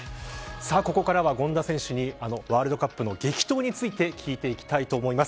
さあ、ここからは権田選手にワールドカップの激闘について聞いていきたいと思います。